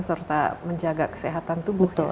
serta menjaga kesehatan tubuh